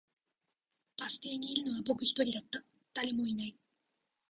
バス停にいるのは僕一人だった、誰もいない